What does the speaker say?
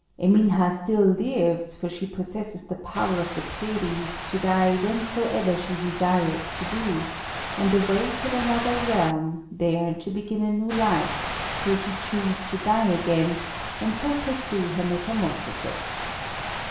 Eminha still lives, for she possesses the power of the peris to die whensoever she desires so to do, and awake in another realm, there to begin a new life, till she choose to die again, and so pursue her metamorphoses.